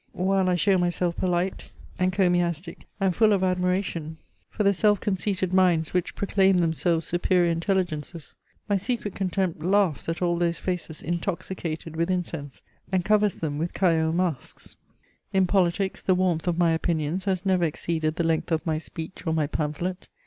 While I show myself polite, encomiastic and full of admiration for the self conceited minds which proclaim themselves superior intelligences, my secret contempt laughs at all those faces intoxicated with incense, and covers them with Callot masks. In politics, the warmth of my opinions has never exceeded the length of my speech or my pamphlet.